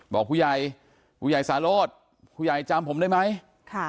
บอกผู้ใหญ่ผู้ใหญ่สาโรธผู้ใหญ่จำผมได้ไหมค่ะ